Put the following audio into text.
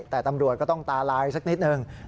แต่ตำรวจก็ต้องตาลายสักนิดนึง